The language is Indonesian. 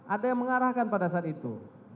ada yang mengarahkan pada saat itu